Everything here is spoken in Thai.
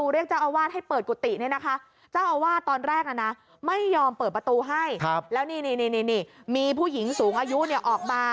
แรกนั้นไม่ยอมเปิดประตูให้แล้วนี่มีผู้หญิงสูงอายุออกมา